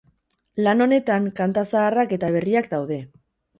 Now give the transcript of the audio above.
Lan honetan kanta zaharrak eta berriak daude.